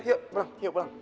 yaudah yuk pulang